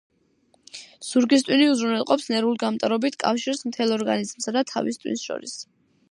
ზურგის ტვინი უზრუნველყოფს ნერვულ გამტარობით კავშირს მთელ ორგანიზმსა და თავის ტვინს შორის.